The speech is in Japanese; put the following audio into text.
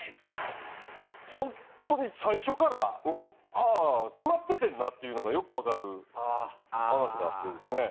本当に最初からああ決まっててんなっていうのがよくわかる話があってですね。